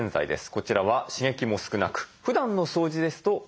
こちらは刺激も少なくふだんの掃除ですとこれで十分です。